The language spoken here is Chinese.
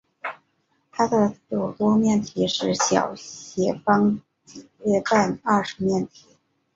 它的对偶多面体是小斜方截半二十面体。